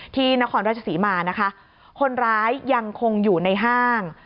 นครราชศรีมานะคะคนร้ายยังคงอยู่ในห้าง